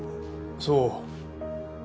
そう。